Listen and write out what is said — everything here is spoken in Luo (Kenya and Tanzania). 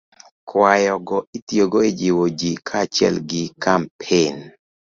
Kwayogo itiyogo e jiwo ji kaachiel gi kampen